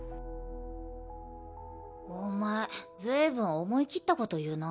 お前ずいぶん思い切ったこと言うな。